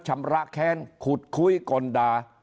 ชำระแค้นขูดคุ้ยก่อนด่า